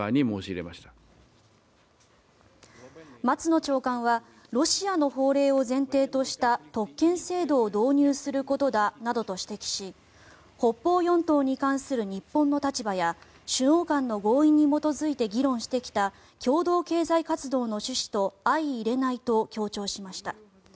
松野長官はロシアの法令を前提とした特権制度を導入することだなどと指摘し北方四島に関する日本の立場や首脳間の合意に基づいて議論してきた共同経済活動の趣旨と相いれないと強調しました。